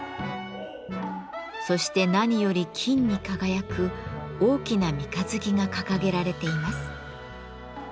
そして何より金に輝く大きな三日月が掲げられています。